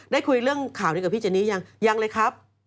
ได้คุยเรื่องข่าวนี้กับพี่เจนี่ยังยังเลยครับ